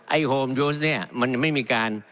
ไอ้โฮมยูสเนี่ยมันไม่มีการ